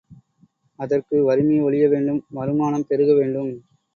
அதற்கு வறுமை ஒழிய வேண்டும் வருமானம் பெருக வேண்டும்.